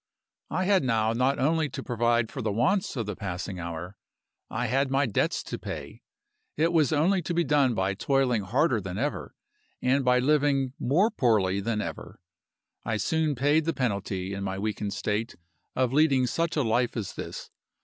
"I had now not only to provide for the wants of the passing hour I had my debts to pay. It was only to be done by toiling harder than ever, and by living more poorly than ever. I soon paid the penalty, in my weakened state, of leading such a life as this.